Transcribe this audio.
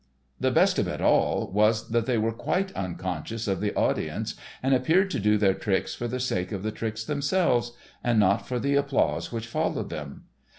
The best of it all was that they were quite unconscious of the audience and appeared to do their tricks for the sake of the tricks themselves, and not for the applause which followed them.